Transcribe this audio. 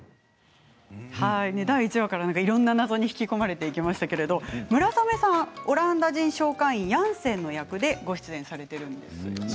第１話からいろんな謎に引き込まれてきましたけど村雨さん、オランダ人商館員ヤンセンの役でご出演されているんですよね。